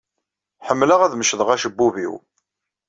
Ḥemmleɣ ad mecḍeɣ acebbub-inu.